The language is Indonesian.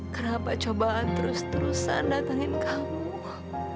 kenapa cobaan terus terusan datangin kamu